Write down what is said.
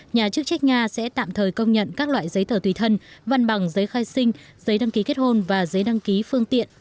nhà chức trách nga sẽ tạm thời công nhận các loại giấy tờ tùy thân văn bằng giấy khai sinh giấy đăng ký kết hôn và giấy đăng ký phương tiện